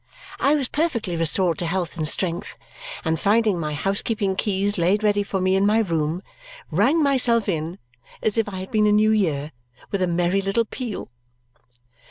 I was perfectly restored to health and strength, and finding my housekeeping keys laid ready for me in my room, rang myself in as if I had been a new year, with a merry little peal.